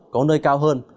có nơi cao hơn